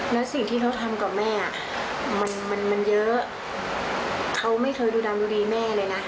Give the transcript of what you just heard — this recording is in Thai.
แล้วสิ่งที่เขาทำกับแม่มันมันเยอะเขาไม่เคยดูดำดูดีแม่เลยนะ